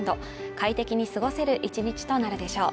快適に過ごせる１日となるでしょう。